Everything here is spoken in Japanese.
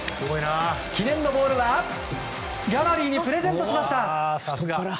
記念のボールはギャラリーにプレゼントしました。